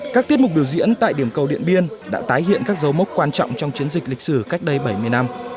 các tiết mục biểu diễn tại điểm cầu điện biên đã tái hiện các dấu mốc quan trọng trong chiến dịch lịch sử cách đây bảy mươi năm